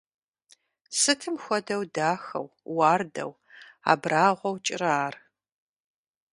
Сытым хуэдэу дахэу, уардэу, абрагъуэу кӀырэ ар!